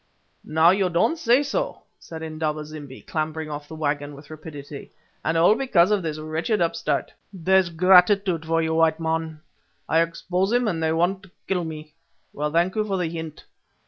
"Now you don't say so," said Indaba zimbi, clambering off the waggon with rapidity; "and all because of this wretched upstart. There's gratitude for you, white man. I expose him, and they want to kill me. Well, thank you for the hint.